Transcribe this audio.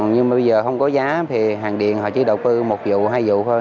nhưng bây giờ không có giá thì hàng điện họ chỉ đầu tư một vụ hai vụ thôi